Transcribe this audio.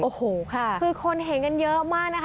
โอ้โหค่ะคือคนเห็นกันเยอะมากนะคะ